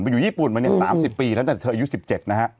จะอยู่ญี่ปุ่นมาเนี่ย๓๐ปีก็๒๐๑๒